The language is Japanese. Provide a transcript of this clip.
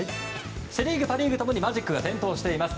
セ・リーグ、パ・リーグともにマジック点灯しています。